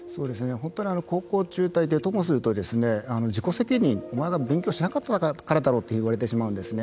本当に高校中退でともすると自己責任おまえが勉強しなかったからだろうと言われてしまうんですね。